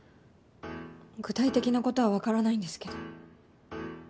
具体的なことは分からないんですけど。